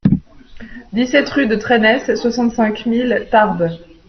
dix-sept rue de Traynès, soixante-cinq mille Tarbes